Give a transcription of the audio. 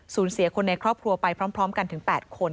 เสียคนในครอบครัวไปพร้อมกันถึง๘คน